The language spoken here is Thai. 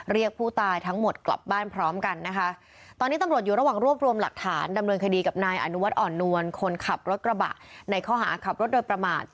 เรียกผู้ตายทั้งหมดกลับบ้านพร้อมกันนะคะ